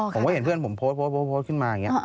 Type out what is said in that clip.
ผมก็เห็นเพื่อนผมโพสต์ขึ้นมา